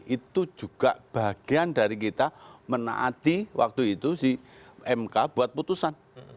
itu juga bagian dari kita menaati waktu itu si mk buat putusan